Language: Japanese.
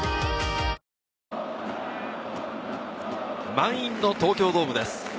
満員の東京ドームです。